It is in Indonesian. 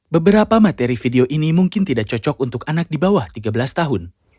beberapa materi video ini mungkin tidak cocok untuk anak di bawah tiga belas tahun